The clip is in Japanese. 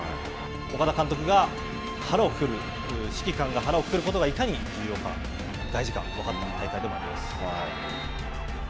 岡田監督が腹をくくる、指揮官が腹をくくることがいかに重要か、大事かが分かった大会でもあります。